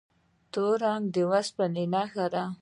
تور رنګ د اوسپنې نښه ده.